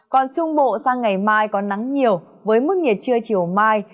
còn trung bộ sang ngày mai có nắng nhiều với mức nhiệt trưa chiều mai